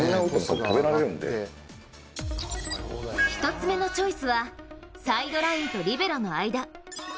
１つ目のチョイスはサイドラインとリベロの間。